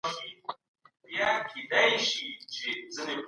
ارسطو په خپلو اثارو کې د انساني طبيعت په اړه بحث کاوه.